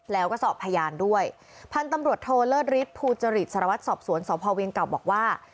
แล้วก็สอบพยานด้วยพันธุ์ตำรวจโทเลิศฤทธิภูจริตสารวัตรสอบสวนสพเวียงเก่าบอกว่า